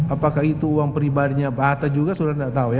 apakah itu uang pribadinya pak hatta juga sudara enggak tahu ya